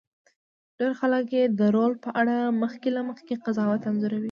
ډېر خلک یې د رول په اړه مخکې له مخکې قضاوت انځوروي.